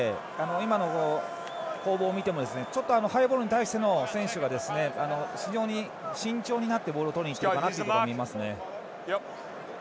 今の攻防を見てもちょっとハイボールに対して選手が非常に慎重になってボールをとりにいっているように見えますね。